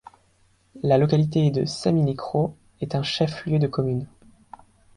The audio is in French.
La localité de Saminikro est un chef-lieu de commune.